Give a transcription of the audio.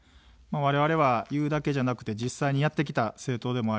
われわれは言うだけじゃなくて実際にやってきた政党でもあります。